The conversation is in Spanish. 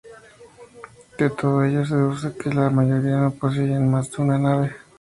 De todo ello se deduce que la mayoría no poseían más de una nave.